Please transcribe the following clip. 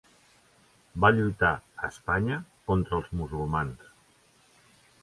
Va lluitar a Espanya contra els musulmans.